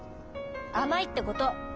「甘い」ってこと。